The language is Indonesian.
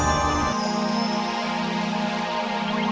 soalnya dungu juga terlalu berharga cukup terbawa bawa